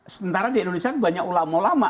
sementara di indonesia banyak ulama ulama